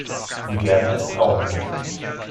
Sie werden es brauchen.